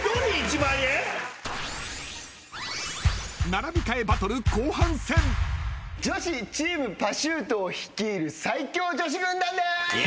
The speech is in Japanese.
［並び替えバトル後半戦］女子チームパシュート率いる最強女子軍団です。